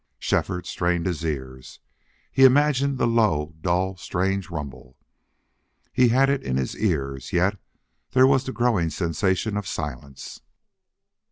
Shefford strained his ears. He imagined the low, dull, strange rumble. He had it in his ears, yet there was the growing sensation of silence.